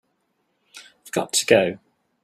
I've got to go.